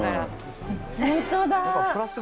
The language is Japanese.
本当だ。